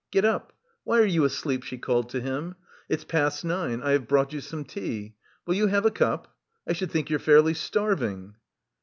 "Get up, why are you asleep?" she called to him. "It's past nine, I have brought you some tea; will you have a cup? I should think you're fairly starving?"